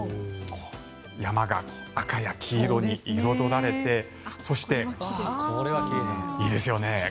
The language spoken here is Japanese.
山が赤や黄色に彩られてそして、いいですよね。